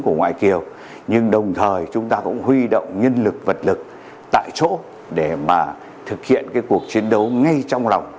của ngoại kiều nhưng đồng thời chúng ta cũng huy động nhân lực vật lực tại chỗ để mà thực hiện cái cuộc chiến đấu ngay trong lòng